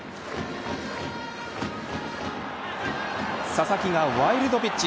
佐々木がワイルドピッチ。